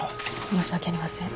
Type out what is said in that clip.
申し訳ありません。